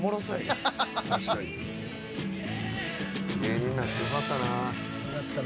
よかったな。